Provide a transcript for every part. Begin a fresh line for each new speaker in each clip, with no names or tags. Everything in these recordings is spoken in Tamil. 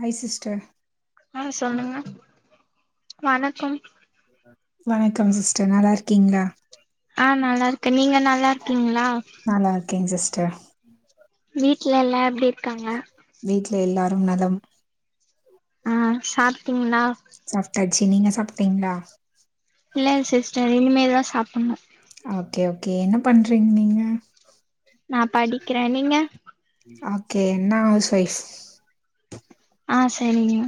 ஹாய் சிஸ்டர்
ஆஹ் சொல்லுங்க வணக்கம்
வணக்கம் சிஸ்டர் நல்லா இருக்கீங்களா
ஆஹ் நல்லா இருக்கேன் நீங்க நல்லா இருக்கீங்களா
நல்லா இருக்கேன் சிஸ்டர்
வீட்ல எல்லா எப்படி இருக்காங்க
வீட்ல எல்லாரும் நலம்
ஆஹ் சாப்டீங்களா
சாப்ட்டாச்சு நீங்க சாப்ட்டீங்களா
இல்ல சிஸ்டர் இனிமே தான் சாப்டணும்
ஓகே ஓகே என்ன பண்றீங்க நீங்க
நா படிக்கிறே நீங்க
ஓகே நா ஹவுஸ் வைஃப்
ஆஹ் சரிங்க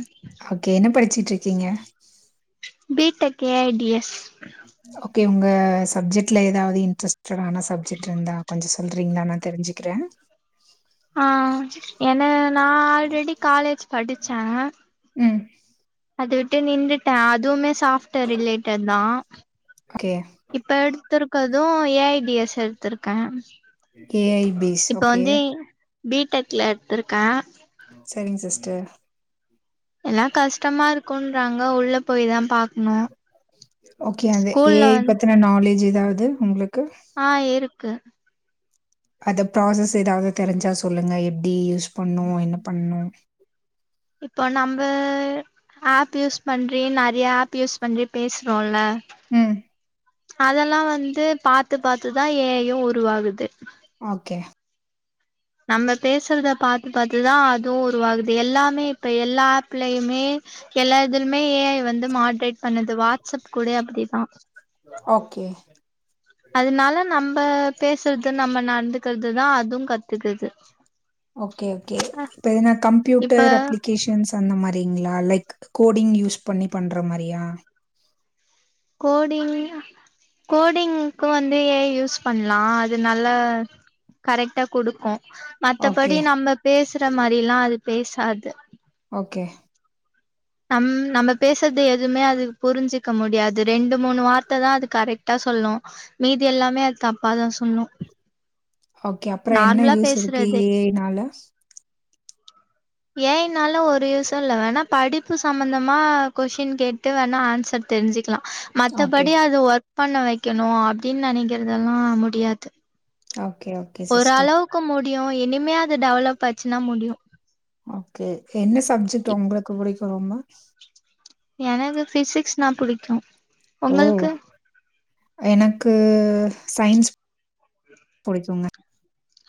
ஓகே என்ன படிச்சுட்டு இருக்கீங்க
பி டெக் ஏஐடிஎஸ்
ஓகே உங்க சப்ஜெக்ட்ல ஏதாவது இன்ட்ரெஸ்ட ஆன சப்ஜெக்ட் இருந்தா கொஞ்ச சொ சொல்றீங்களா நா தெரிஞ்சுக்கிறேன்
ஆஹ் என்ன நா ஆல்ரெடி காலேஜ் படிச்சேன்
ம்
அதவிட்டு நின்னுட்டேன் அதுவுமே சாஃப்ட்வேர் ரிலேட்டட் தான்
ஓகே
இப்ப எடுத்திருக்கதும் ஏஐடிஎஸ் எடுத்துருக்கேன்
ஏஐபிஸ் ஓகே
பி டெக்ல எடுத்திருக்கேன்
சரிங்க சிஸ்டர்
எல்லாம் கஷ்டமா இருக்கும்ன்றாங்க உள்ள போயி தான் பாக்கணும்
ஓகே அந்த ஏஐ பத்தின நாலேஜ் ஏதாவது உங்களுக்கு
ஆஹ் இருக்கு
அத ப்ராசஸ் ஏதாவது தெரிஞ்சா சொல்லுங்க எப்டி யூஸ் பண்ணும் என்ன பண்ணனும்
இப்போ நம்ப ஆப் யூஸ் பண்ணி நிறைய ஆப் யூஸ் பண்ணி பேசுறோம்ல
ம்
அதெல்லாம் வந்து பாத்து பார்த்துதான் ஏஐ யும் உருவாகுது
ஓகே
நம்ம பேசுறத பாத்து பாத்துதா அதும் உருவாகுது எல்லாமே இப்ப எல்லா ஆப்லயுமே எல்லா இதுலுமே ஏஐ வந்து மாட்ரேட் பண்ணுது வாட்ஸ்அப் கூட அப்டிதா
ஓகே
அதனால நம்ம பேசுறது நம்ம நடந்துக்கிறதுதா அதும் கத்துக்குது
ஓகே ஓகே இப்ப எனா
இப்ப
கம்ப்யூட்டர் அப்ளிகேஷன்ஸ் அந்த மாரி லைக் கோடிங் யூஸ் பண்ணி பண்ற மாரியா
கோடிங் கோடிங்க்க வந்து ஏஐ யூஸ் பண்லா அது நல்லா கரெக்டா கொடுக்கு
ஓகே
மத்தபடி நம்ம பேசுற மாரில்லா அது பேசாது
ஓகே
நம் நம்ம பேசறத எதுமே அது புரிஞ்சிக்க முடியாது ரெண்டு மூணு வார்த்தை தா அது கரெக்டா சொல்லு மீதி எல்லாமே அது தப்பாதா சொல்லு
ஓகே அப்புற என்ன
நார்மலா
யூஸ் இருக்கு
பேசுறதே
ஏஐ னால
ஏஐ ன்னால ஒரு யூஸு இல்ல வேணா படிப்பு சம்பந்தமா கொஷின் கேட்டு வேணா ஆன்சர் தெரிஞ்சுக்கலா
ஓகே
மத்தபடி அது ஒர்க் பண்ண வைக்கணு அப்டின்னு நினைக்கிறதெல்லா முடியாது
ஓகே ஓகே சிஸ்டர்
ஓரளவுக்கு முடியு இனிமே அது டெவலப் ஆச்சுன்னா முடியு
ஓகே என்ன சப்ஜெக்ட் உங்களுக்கு புடிக்கு ரொம்ப
எனக்கு பிசிக்ஸ் நா புடிக்கு
ஓ
உங்களுக்கு
எனக்கு சயின்ஸ் புடிக்கோங்க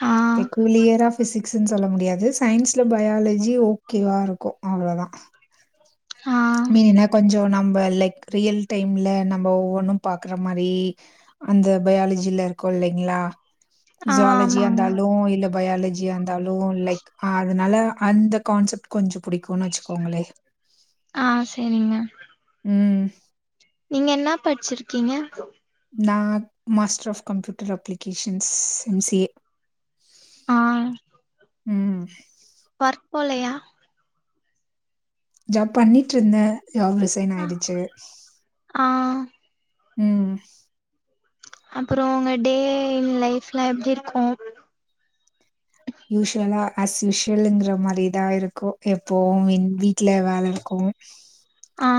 ஆ
கிலியரா பிசிக்ஸ்ன்னு சொல்ல முடியாது சயின்ஸ்ல பயாலஜி ஓகேவா இருக்கு அவ்ளதா
[unintelligible] ஆ
மீன் என்னா கொஞ்ச நம்ம லைக் ரியல் டைம்ல நம்ம ஒவ்வொன்னு பாக்குற மாரி அந்த பயாலஜில இருக்கு இல்லைங்களா
ஆ
ஜுவாலஜி
ஆமாங்க
இருந்தாலு இல்ல பயாலஜி இருந்தாலு லைக் ஆ அதனால அந்த கான்செப்ட் கொஞ்ச புடிக்கும்ன்னு வச்சுக்கோங்களே
ஆ சேரிங்க
ம்
நீங்க என்ன படிச்சிருக்கீங்க
நா master of computer applications MCA
ஆ
ம்
ஒர்க் போலையா
ஜாப் பண்ணிட்டு இருந்தே ஜாப் ரிசைன்
ஆ
ஆயிடுச்சு
ஆ
ம்
அப்புற உங்க டே லைப்ல எப்டி இருக்கு
யூஸ்வலா அஸ்யூஷுவல்ங்கிற மாரிதா இருக்கு எப்போ மீ வீட்ல வேல இருக்கு
ஆ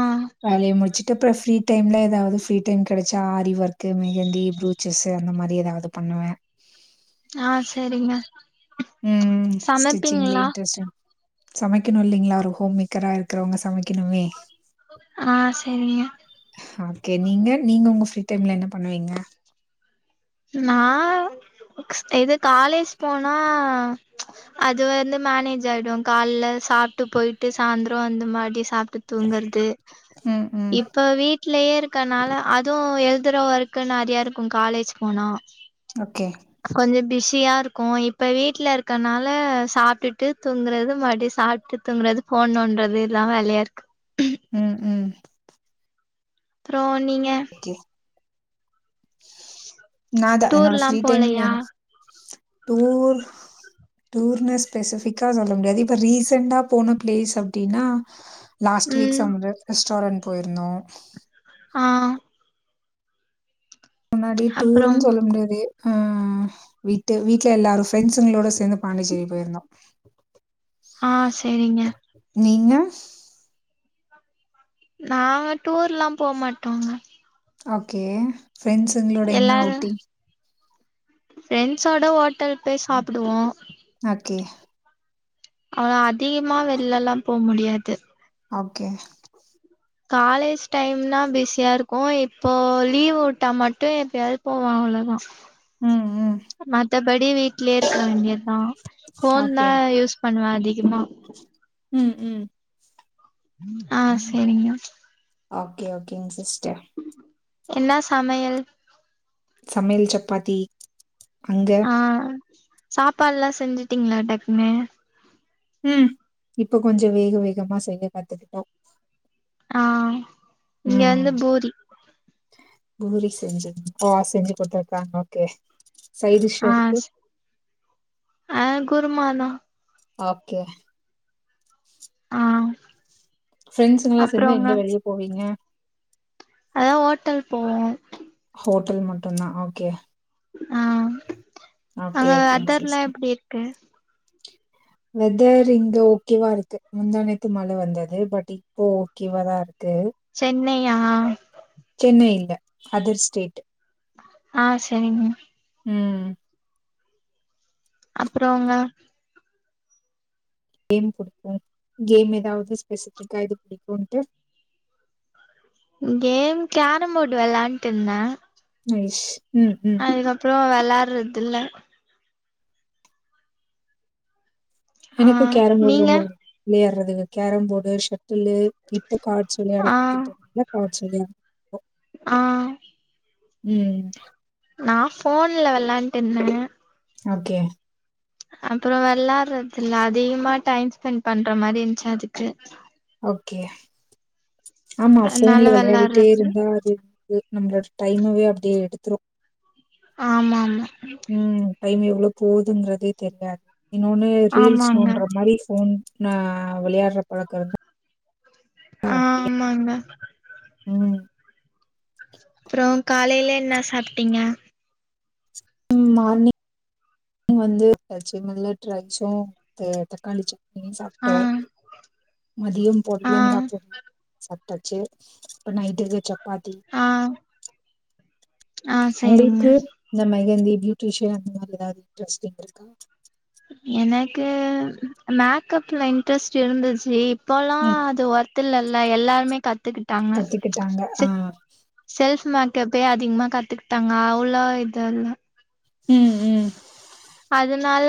வேலைய முடிச்சு இருக்குற ஃப்ரீ டைம்ல எதாவது ஃப்ரீ டைம் கடைச்சா ஆரி ஒர்க் மெகந்தி ப்ருச்சஸ் அந்த மாரி எதாவது பண்ணுவே
ஆ சரிங்க
ம் ஸ்டிச்சிங்ல இன்ட்ரெஸ்ட் சமைக்கணு இல்லலைங்களா ஒரு ஹோம் மேக்கரா இருக்கிறவங்க சமைக்கணுமே
ஆ செரிங்க
ஓகே நீங்க நீங்க உங்க ஃப்ரீ டைம்ல என்ன பண்ணுவீங்க
நா இது காலேஜ் போனா அது வந்து மேனேஜ் ஆயிடு கால்ல சாப்ட்டு போயிட்டு சாயந்திரோ அந்த மாதி சாப்ட்டு தூங்குறது
ம் ம்
இப்ப வீட்லயே இருக்கனால அதுவு எ எழுதுற ஒர்க நறைய இருக்கு காலேஜ் போனா
ஓகே
கொஞ்ச பிஸ் இருக்கு இப்ப வீட்ல இருக்கனால சாப்ட்டுட்டு தூங்குறது மருடி சாப்ட்டு தூங்குறது போணுன்றது இதல்லா வேலையா இருக்கு
ம் ம்
அப்புற நீங்க
ஓகே நா தா என்னோட
டூர்லா
ஃப்ரீ
போலையா
டைம்லண டூர் டூர்னு ஸ்பெசிபிக்கா சொல்ல முடியாது இப்ப ரீசன்டா போன பிளேஸ் அப்டின்னா லாஸ்ட் வீக்
ம்
சம்ப ரெஸ்டாரன்ட் போயிருந்தோ
ஆ.
முன்னாடி
அப்றோ
டூருன்னு சொல்ல முடியாது அ வீட்டு வீட்ல எல்லாரு ஃப்ரெண்ட்ஸுங்களோட சேர்ந்து பாண்டிச்சேரி போயிருந்தோ
ஆ சேரிங்க
நீங்க
நாங்க டூர்ல்லா போ மாட்டோங்க
ஓகே ஃப்ரெண்ட்ஸ்ங்களோட எங்கனா
எல்லாரு
அவுட்டிங்
ஃப்ரெண்ட்ஸோட ஓட்டல் போய் சாப்டுவோ
ஓகே.
அ அதிகமா வெள எல்லா போ முடியாது
ஓகே.
காலேஜ் டைம்னா பிஸியா இருக்கு இப்போ லீவ் விட்டா மட்டு எப்பயாவது போவாங் அவ்ளதா
ம், ம்.
மத்தபடி வீட்லயே இருக்க வேண்டியதுதா போன் தா
ஓகே.
யூஸ் பண்ணுவ அதிகமா
ம் ம்.
ஆ சேரிங்க.
ஓகே ஓகேங் சிஸ்டர்
என்னா சமையல்
சமையல் சப்பாத்தி அங்க?
ஆ சாப்பாடுல்லா செஞ்சுட்டீங்களா டக்னு
ம் இப்ப கொஞ்ச வேக வேகமா செய்ய கத்துக்கிட்டோ
ஆ இங்க வந்து பூரி
பூரி செஞ்ச ஓ செஞ்சு கொடுத்துருக்காங்க ஓகே சைட் டிஷ்
ஆ
அதுக்கு
ஆ குருமா தா
ஓகே.
ஆ
ஃப்ரெண்ட்ஸுங்கல்லா சேர்ந்து எங்க வெளியே போவீங்க
அதான் ஓட்டல் போவோம்
ஹோட்டல் மட்டு்தா ஓகே
ஆ
ஓகே,
அங்க
ஓகேங்க சிஸ்டர்.
வெதர்லா எப்டி இருக்கு
வெதர் இங்க ஓகேவா இருக்கு முந்தனேத்து மழை வந்தது பட் இப்போ ஓகேவா தா இருக்
சென்னையா
சென்னை இல்ல. அதர் ஸ்டேட்
ஆ செரிங்க
ம்
அப்புறங்க
கேம் புடிக்கு கேம் எதாவது ஸ்பெசிபிக்கா எது புடிக்கும்ன்ட்டு
கேம் கோரம்போர்டு வெளான்ட்டு இருந்த
ம் ம்.
வெளாட்றதுல்ல ஆ
எனக்கு கேரம் போர்டு
நீங்க
ரொம்ப புடிக் விளையாடுறது கேரம் போர்டு செட் ட்ழு இப்போ கார்ட்ஸ் விளையாட
ஆ
காத்துக்ட்ருந்தா கார்ட்ஸ் விளையாடுவோ
ஆ
ம்
நான் ஃபோன்ல வெளான்ட்டுருந்தே
ஓகே
அப்புற வெளாடுறதில்ல அதிகமா டைம் ஸ்பெண்ட் பண்ற மாரி இருந்ச்சு அதுக்கு
ஒகே ஆமா
அதனால
ஃபோன்ல விளையாடிட்டே
வெளாடுறது
இருந்தா அது நம்ளோட டைமவே அப்டியே எடுத்துரு
ஆமாமா
ம் டைம் எவ்ளோ போதுன்றதே தெரியாது இன்னொனு ரீல்ஸ்
ஆமாங்க
நோன்ற மாரி ஃபோன் ந விளையாடுற பழக்க இருந்தா
ஆமாங்க
ம்
அப்ற காலைல என்ன சாப்ட்டிங்க
மார்னிங் வந்து பச்ச மில்லட் ரச்சூ த தக்காளி சட் னி
ஆ
சாப்ட்டோ மதிய
ஆ
பொடலங்கா பொரியல் சாப் டாச்சு இப்ப நைட்டுக்கு சப்பாத்தி
ஆ ஆ சேரிங்க
உங்ளுக்கு இந்த மெகந்தி பியூட்டிஷியன் அந்த மாரி எதாவது இன்ட்ரெஸ்டிங் இருக்கா
எனக்கு மேக்கப்ல இன்ட்ரெஸ்ட் இருந்துச்சு இப் பெலா
ம்.
அது ஒர்த் இல்லல எல்லாருமே கத்துக்கிட்டாங்க
கத்துக்கிட்டாங்க.
செ
ஆ.
செல்ஃப் மேக்கப்பே அதிகமா கத்துகிட்டாங்க அவ்ளோ இதுல்ல
ம் ம்
அதனால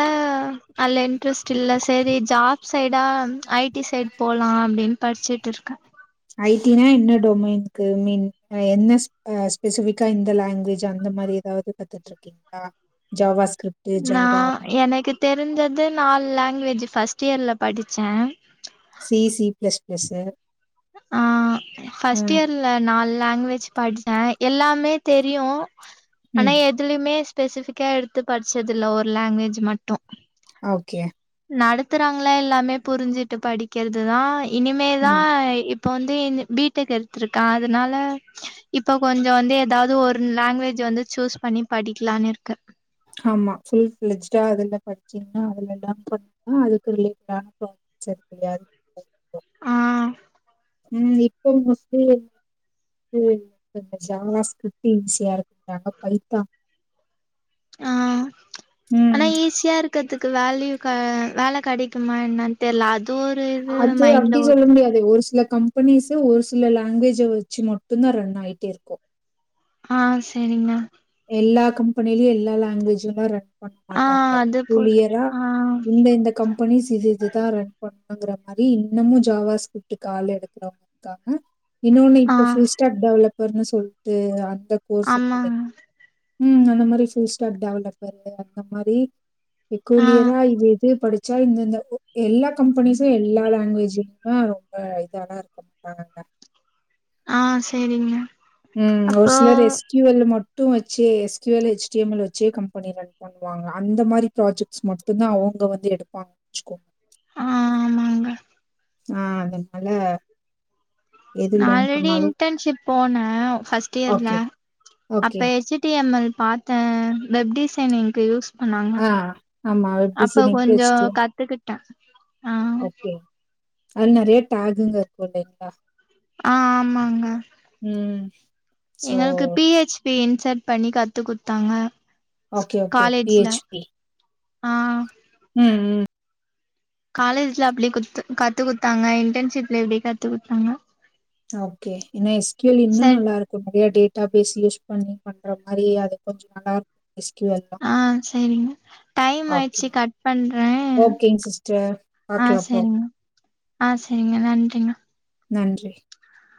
அதில இன்ட்ரெஸ்ட் இல்ல சரி ஜாப் சைடா ஐ டி சைடு போலா அப்டின் படிச்சுட்ருக்கே
ஐ டி னா என்ன டொமைன்க்கு மீன் என்ன அ ஸ்பெசிஃபிக்கா இந்த லாங்வேஜ் அந் த மாரி எதாவுது கத்துட்ருக்கிங்ளா ஜாவாஸ்
நா எனக்கு தெரிஞ்சது நாலு லாங்வேஜு ஃபர்ஸ்ட் இயர்ல படிச்சே
சி சி பிளஸ் பிளஸ்
ஆ ஃபஸ்ட் இயர்ல நால் லேங்வேஜ் படிச்ச எல்லாமே தெரியு ஆனா
ம்
எதுலமே ஸ்பெசிஃபிக்கா எடுத்து படிச்சதில்ல ஒரு லேங்வேஜ் மட்டு
ஓகே
நடத்துறாங்களா எல்லாமே புரிஞ்சுட்டு படிக்கிறது தா இனிமே தா
ம்
இப்ப வந்து என் பி டெக் எடுத்ருக்க அதனால இப்ப கொஞ்ச வந்து எதாவுது ஒரு லேங்வேஜு வந்து சூஸ் பண்ணி படிக்கலான் இருக்க
ஆமா ஃபுல் ஃப்ளெட்ஜ்டா அதுல படிச்சிங்னா அதுல டாம் பண்ணா அதுக்கு ரிலேட்டடான ஜாப் சரி சரி [inaudible]
ஆ
ம் இப்போ மோஸ்ட்லி ம் இப்ப இந்த ஜாவா ஸ்க்ரிப்ட் ஈஸியா இருக்குங்க அப்ற பைத்தா
ஆ ஆனா
ம்
ஈஸியா இருக்கதுக்கு வேல்யூ க வேல கெடைக்குமா என்னன் தெர்ல அது ஒரு இது
அது அப்டி
மைண்ட்ல
சொல்ல
ஓடுது
முடியாது ஒரு சில கம்பெனிஸு ஒரு சில லேங்வேஜ வச்சு மட்டுந்தா ரன் ஆயிட்டே இருக்கு
ஆ சரிங்க
எல்லா கம்பெனிலயு எல்லா லேங்வேஜுலா ரன் பண்ண
ஆ
மாட்டாங்க
அது போர்
கூளியரா
ஆ
இந்த இந்த கம்பெனிஸ் இது இதுதா ரன் பண்ணுங்கிற மாரி இன்னமு ஜாவா ஸ்க்ரிப்டுக்கு ஆள் எடுக்கறவங்க இருக்காங்க இன்னொனு
ஆ
இப்ப ஃபுல் ஸ்டாட் டெவலப்பர்னு சொல்ட்டு அந்த கோர்ஸ் இருக்கில்லைங்
ஆமாங்க
உஹம் அந்த மாதிரி ஃபுல் ஸ்டாக் டெவலப்பரு அந்த மாதிரி
ஆ
கூலியரா இது எது படிச்ச ச இந்தந்த எல்லா கம்பெனிஸும் எல்லா லாங்குவேஜும் ம் ஆமா ரொம்ப இதாதா இருக்க மாட்டானங்க
ஆ செரிங்மா
உம் ஒரு சில ரெஸ்கியூ வல்ல மட் டும் வச்சு S Q L H T M L வச்சே கம்பெனி ரன் பண்ணுவாங்க அந்த மாதிரி ப்ராஜெக்ட்ஸ் மட்டுதான் அவங்க அங்க வந்து எடுப்பாங்கவச்சுகோங்க
ஆ ஆமாங்க
ஆஹ் அதனால எது
நா
லேர்ன்
ஆல்ரெடி
பண்ணாலும்
இன்டன்ஷிப் போனேன் ஃபர்ஸ்ட் இயர்ல
ஓகே,
அப்ப
okay.
H T M L பாத்தே வெப் டிசைனிங்கு யூஸ் சொன்னங்க
ஆ ஆமா. வெப்
அப்ப
டிசைனிங்க்கு
கொஞ்சம்
ஹெச்டிஎம்
கத்துக்கிட்டே ஆ
ஓகே அது நரையேட ஆகுங்க இருக்கும் இல்லைங்களா
ஆ ஆமாங்க
ம். ஸோ
எங்களுக்கு பி ஹச் பி இன்சர்ட் பண்ணி கத்து குத்தாங்க
okay okay P H P
ஆ
ம் ம்
காலேஜ்ல அப்டியே கொஞ்ச கத்து குடுத்தாங்க இன்டன்ஷிப்ல எப்படி கத்து குடுத்தாங்க
ஓகே ஏன்னா எஸ்கியூல் இன்னும்
சரி
நல்லா இருக்கும் நிறைய டே [unintelligible] பேசி யூஸ் பண்ணி பண்ற மாதிரி அது கொஞ்சம் நல்லா இருக்கும்
ஆஹ் செரிங்க டைம்
ஓகே.
ஆயடுச்சு கட் பண் ன்
ஓகேங்க சிஸ்டர்.
ஆ
பாக்கலாம் அப்புறம்.
செரிங்க ஆ செரிங்க நன்றிங்க
நன்றி